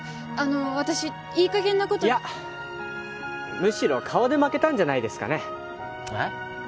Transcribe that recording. あの私いい加減なこといやむしろ顔で負けたんじゃないですかねえっ？